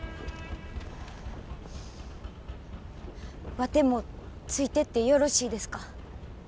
ワテもついてってよろしいですか？